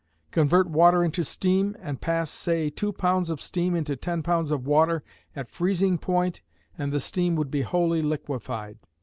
Convert water into steam, and pass, say, two pounds of steam into ten pounds of water at freezing point and the steam would be wholly liquified, _i.e.